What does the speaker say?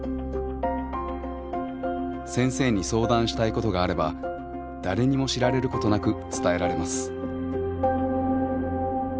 先生に相談したいことがあれば誰にも知られることなく伝えられます。